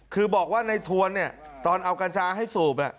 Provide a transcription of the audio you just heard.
คือบอกว่าในทวนเนี่ยตอนเอากัญชาให้สูบ